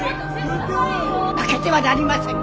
負けてはなりません。